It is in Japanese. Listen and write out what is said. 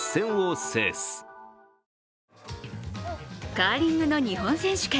カーリングの日本選手権。